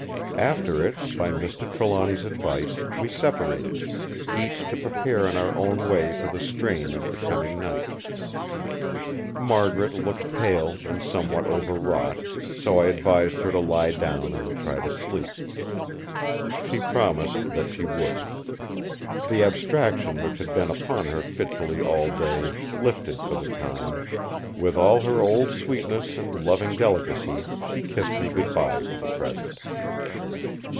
After it, by Mr. Trelawny's advice, we separated; each to prepare in our own way for the strain of the coming night. Margaret looked pale and somewhat overwrought, so I advised her to lie down and try to sleep. She promised that she would. The abstraction which had been upon her fitfully all day lifted for the time; with all her old sweetness and loving delicacy she kissed me good bye for the present!